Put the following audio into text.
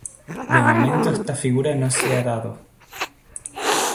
De momento esta figura no se ha dado.